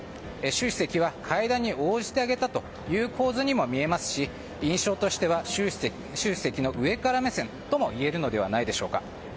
習主席は会談に応じてあげたという構図にも見えますし印象としては習主席の上から目線ともいえるのではないでしょうか。